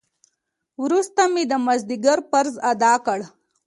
وروسته مې د مازديګر فرض ادا کړ.